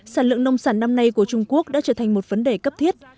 sản lượng nông sản năm nay của trung quốc đã trở thành một vấn đề cấp thiết